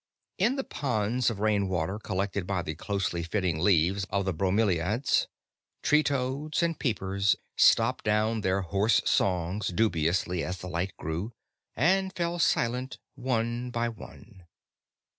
In the ponds of rain water collected by the closely fitting leaves of the bromeliads tree toads and peepers stopped down their hoarse songs dubiously as the light grew and fell silent one by one.